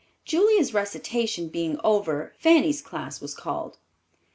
Julia's recitation being over, Fanny's class was called.